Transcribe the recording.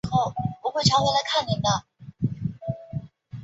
大叶杨桐为山茶科杨桐属下的一个种。